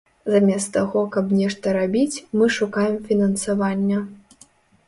Замест таго, каб нешта рабіць, мы шукаем фінансавання.